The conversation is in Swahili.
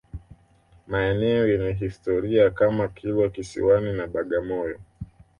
Maeneo yenye historia kama Kilwa Kisiwani na Bagamoyo